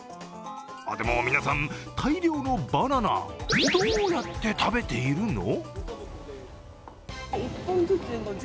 でも皆さん、大量のバナナ、どうやって食べているの？